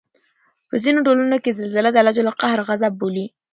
په ځینو ټولنو کې زلزله د الله ج قهر او غصب بولي